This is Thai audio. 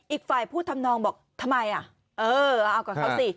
อีกฝ่ายพูดทำนองบอกทำไมอ่ะเออเอากับเขาสิ